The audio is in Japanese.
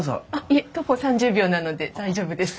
いえ徒歩３０秒なので大丈夫です。